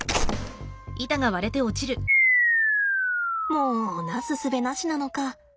もうなすすべなしなのか。